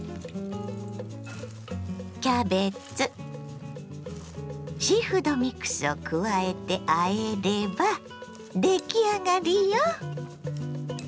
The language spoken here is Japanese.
キャベツシーフードミックスを加えてあえれば出来上がりよ。